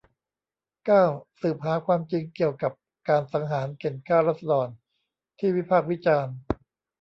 เก้า สืบหาความจริงเกี่ยวกับการสังหารเข่นฆ่าราษฎรที่วิพากษ์วิจารณ์